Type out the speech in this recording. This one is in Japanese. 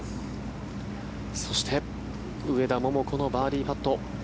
そして、上田桃子のバーディーパット。